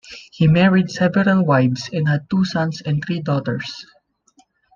He married several wives and had two sons and three daughters.